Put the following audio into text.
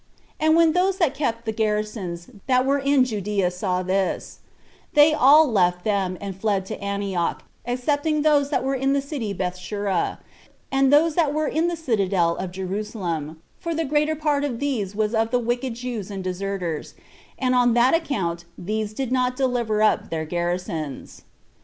And when those that kept the garrisons that were in Judea saw this, they all left them, and fled to Antioch, excepting those that were in the city Bethsura, and those that were in the citadel of Jerusalem, for the greater part of these was of the wicked Jews and deserters, and on that account these did not deliver up their garrisons.